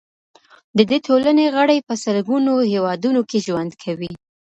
د دې ټولنې غړي په سلګونو هیوادونو کې ژوند کوي.